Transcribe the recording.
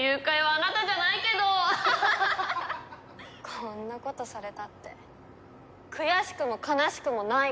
こんなことされたって悔しくも悲しくもないから。